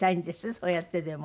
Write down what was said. そうやってでも。